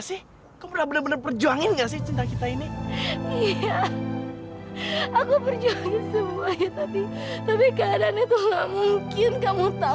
sampai jumpa di video selanjutnya